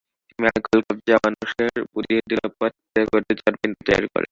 মেলা কলকব্জা মানুষের বুদ্ধিসুদ্ধি লোপাপত্তি করে জড়পিণ্ড তৈয়ার করে।